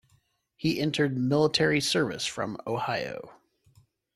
He entered military service from Ohio.